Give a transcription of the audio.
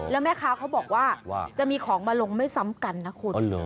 แล้วแม่ค้าเขาบอกว่าจะมีของมาลงไม่ซ้ำกันนะคุณ